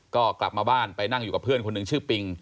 ก็กลับมาบ้านไปนั่งอยู่กับเพื่อนคนหนึ่งชื่อปิง